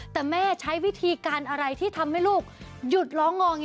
แต่แม่ใช้วิธีการอะไรที่ทำให้ลูกหยุดร้องงอแง